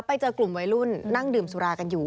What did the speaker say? ไปเจอกลุ่มวัยรุ่นนั่งดื่มสุรากันอยู่